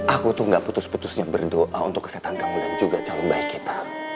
aku tuh nggak putus putusnya berdoa untuk kesetan kamu dan juga calon bayi kita